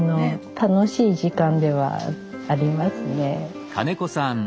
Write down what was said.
楽しい時間ではありますね。